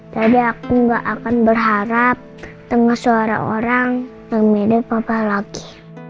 jadi aku gak akan berharap tengah suara orang yang mirip papa lagi